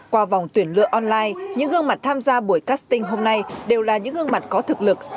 qua vòng tuyển lựa online những gương mặt tham gia buổi casting hôm nay đều là những gương mặt có thực lực